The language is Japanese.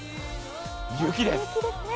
雪です。